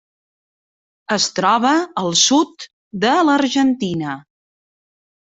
Es troba al sud de l'Argentina.